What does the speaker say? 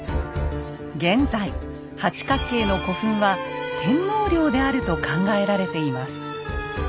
現在八角形の古墳は天皇陵であると考えられています。